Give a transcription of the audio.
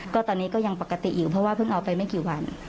ก็ตอนนี้ก็ยังปกติอยู่เพราะว่าเพิ่งเอาไปไม่กี่วัน